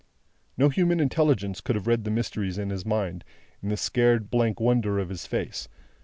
No human intelligence could have read the mysteries of his mind, in the scared blank wonder of his face.